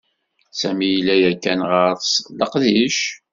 Sami yella yakan ɣeṛ-s leqdic.